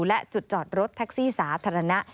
และจุดจอดรถแท็กซี่สาธารณะ